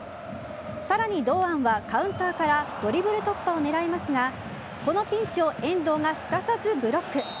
さらに堂安はカウンターからドリブル突破を狙いますがこのピンチを遠藤がすかさずブロック。